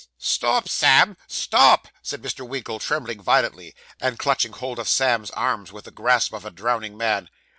'Stop, Sam, stop!' said Mr. Winkle, trembling violently, and clutching hold of Sam's arms with the grasp of a drowning man.